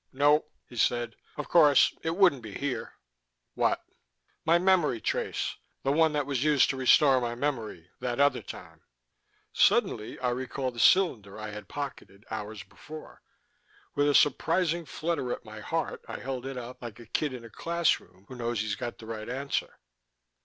"No," he said. "Of course it wouldn't be here...." "What?" "My memory trace: the one that was used to restore my memory that other time." Suddenly I recalled the cylinder I had pocketed hours before. With a surprising flutter at my heart I held it up, like a kid in a classroom who knows he's got the right answer.